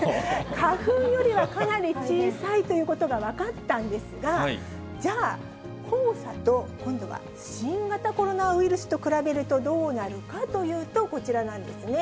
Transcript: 花粉よりはかなり小さいということが分かったんですが、じゃあ、黄砂と今度は新型コロナウイルスと比べるとどうなるかというと、こちらなんですね。